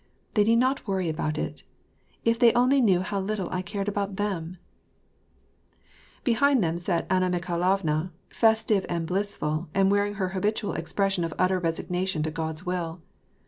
They need not worry about it. If they only knew how little I cared about them !" Behind them sat Anna Mikhailovna, festive and blissful, and wearing her habitual expression of utter resignation to God's will.